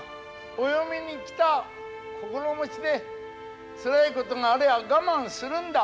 お嫁に来た心持ちでつらいことがありゃ我慢するんだ。